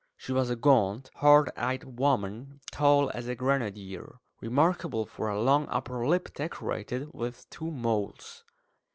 She was a gaunt, hard eyed woman, tall as a grenadier, remarkable for a long upper lip decorated with two moles.